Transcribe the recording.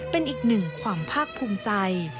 เป็นอีกหนึ่งความภาคภูมิใจ